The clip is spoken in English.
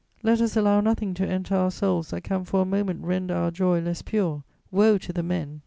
Let us allow nothing to enter our souls that can for a moment render our joy less pure! Woe to the men...!